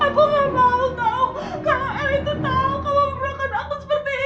aku gak mau tau kalau el itu tau kamu berlakon aku seperti ini